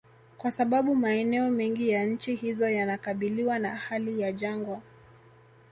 Kwa sababu maeneo mengi ya nchi hizo yanakabiliwa na hali ya jangwa